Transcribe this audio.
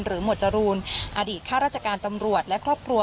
หมวดจรูนอดีตข้าราชการตำรวจและครอบครัว